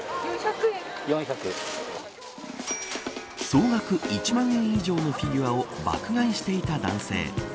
総額１万円以上のフィギュアを爆買いしていた男性。